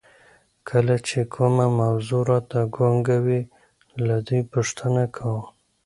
کله چې کومه موضوع راته ګونګه وي له دوی پوښتنه کوم.